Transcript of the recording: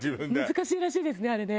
難しいらしいですねあれね。